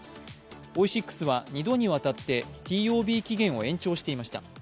オイシックスは２度にわたってＴＯＢ期限を延長していました。